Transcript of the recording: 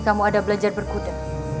kamu ada belajar berkuda